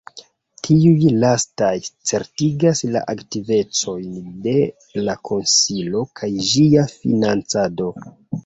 Tiuj lastaj certigas la aktivecojn de la konsilo kaj ĝia financado.